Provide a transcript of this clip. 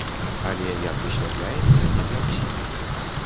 Але, як высвятляецца, не для ўсіх.